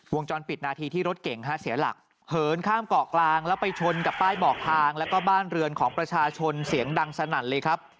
วงจรปิดนาทีที่รถเก่งเสียหลักเหินข้ามเกาะกลางแล้วไปชนกับป้ายบอกทางแล้วก็บ้านเรือนของประชาชนเสียงดังสนั่นเลยครับ